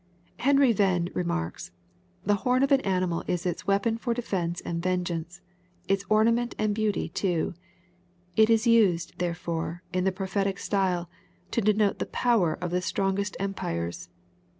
'] Henry "Venn rermarks, The horn of an animal is its weapon for defence and vengeance, its ornament and beauty too. It is used, therefore in the prophetic style, to denote the power of the strongest empires.